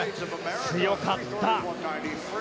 強かった。